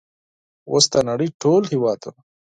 اوس د نړۍ ټول هیوادونه